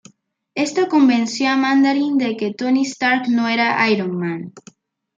Esto convenció a Mandarin de que Tony Stark no era Iron Man.